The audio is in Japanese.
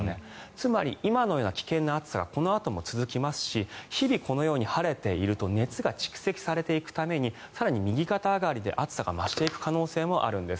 つまり今の危険な暑さがこのあとも続きますし日々、このように晴れていると熱が蓄積されていくために更に右肩上がりで暑さが増していく可能性もあるんです。